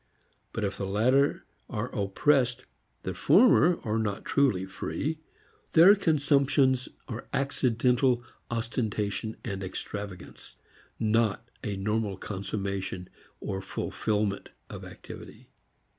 But if the latter are oppressed the former are not truly free. Their consumptions are accidental ostentation and extravagance, not a normal consummation or fulfilment of activity.